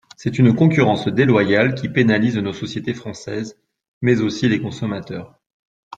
C’est une concurrence déloyale qui pénalise nos sociétés françaises, mais aussi les consommateurs.